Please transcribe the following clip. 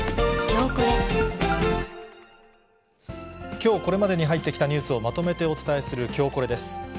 きょうこれまでに入ってきたニュースをまとめてお伝えするきょうコレです。